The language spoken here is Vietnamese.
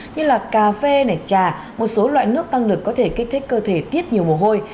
như là cà phê này trà một số loại nước tăng lực có thể kích thích cơ thể tiết nhiều mồ hôi